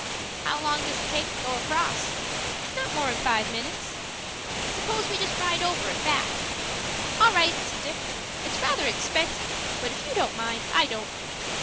"How long does it take to go across?" "Not more'n five minutes." "Suppose we just ride over and back." "All right!" said Dick. "It's rather expensive; but if you don't mind, I don't."